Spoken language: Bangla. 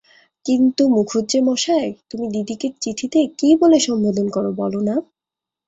– কিন্তু মুখুজ্যেমশায়, তুমি দিদিকে চিঠিতে কী বলে সম্বোধন কর বলো-না!